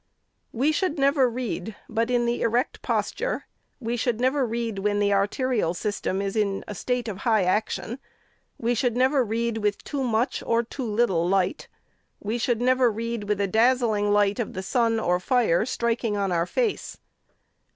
We should never read but in the erect posture ; we should never read when the arterial system is in a state of high action ; we should APPENDIX. 57 1 never read with too much or too little light; we .should never read with a da/zling light of the sun. or fire, striking on our face.